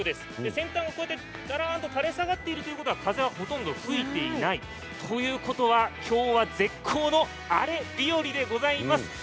先端がだらんと垂れ下がっているということは風はほとんど吹いていないということはきょうは絶好のあれ日和でございます！